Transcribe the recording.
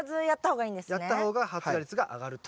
やった方が発芽率が上がると。